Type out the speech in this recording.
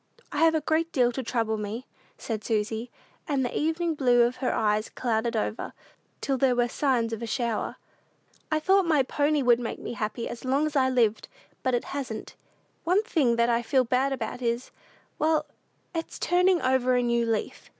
"I have a great deal to trouble me," said Susy, and the "evening blue" of her eyes clouded over, till there were signs of a shower. "I thought my pony would make me happy as long as I lived; but it hasn't. One thing that I feel bad about is well, it's turning over a new leaf.